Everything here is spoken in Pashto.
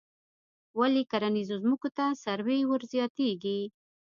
ولې کرنیزو ځمکو ته سرې ور زیاتیږي؟